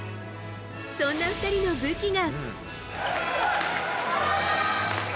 そんな２人の武器が。